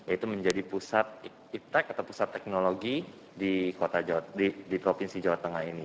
itu menjadi pusat iptec atau pusat teknologi di provinsi jawa tengah ini